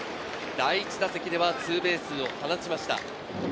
第１打席ではツーベースを放ちました。